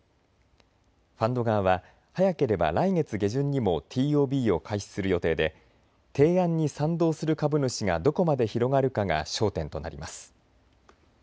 ファンド側は早ければ来月下旬にもＴＯＢを開始する予定で提案に賛同する株主がどこまで広がるかが焦点となります。